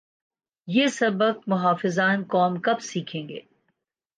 یہ سبق محافظان قوم کب سیکھیں گے؟